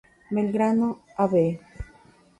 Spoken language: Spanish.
Belgrano, Av.